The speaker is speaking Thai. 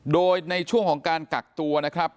โดยในช่วงของการกักตัวนะครับ